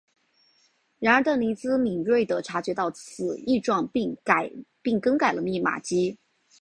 然而邓尼兹敏锐地感觉到此异状并更改了密码机。